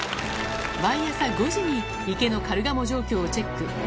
毎朝５時に池のカルガモ状況をチェック。